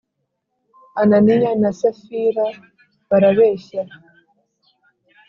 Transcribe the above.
ananiya na safira barabeshya